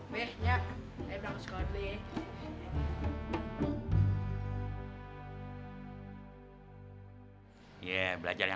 beh ya saya bilang suka lu ya